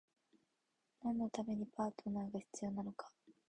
何のためにパートナーが必要なのか？